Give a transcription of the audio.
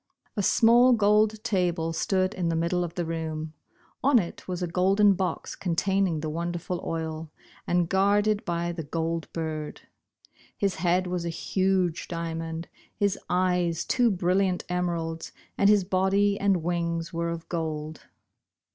A small gold table stood in the middle of the room. On it was a orolden box containing the wonderful oil, and guarded by the Gold Bird. His head was a huge diamond, his eyes two brilliant emeralds, and his body and wings were of gold.